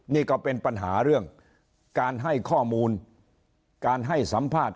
นี่ก็เป็นปัญหาเรื่องการให้ข้อมูลการให้สัมภาษณ์